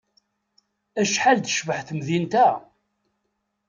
Acḥal tecbeḥ temdint-a!